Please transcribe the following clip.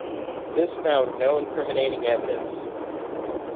This found no incriminating evidence.